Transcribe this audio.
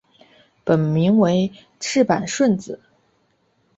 本名为赤坂顺子。